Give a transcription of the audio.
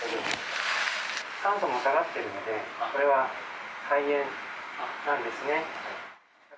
酸素も下がっているので、これは肺炎なんですね。